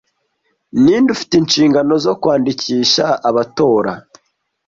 Ninde ufite inshingano zo kwandikisha abatora